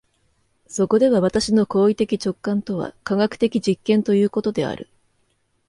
そこでは私の行為的直観とは科学的実験ということである。